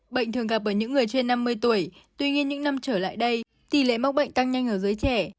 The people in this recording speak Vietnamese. bệnh thường gặp ở những người trên năm mươi tuổi tuy nhiên những năm trở lại đây tỷ lệ mắc bệnh tăng nhanh ở giới trẻ